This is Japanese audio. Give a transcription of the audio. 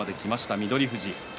翠富士。